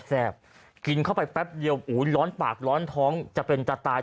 แซ่บกินเข้าไปแป๊บเดียวร้อนปากร้อนท้องจะเป็นจะตาย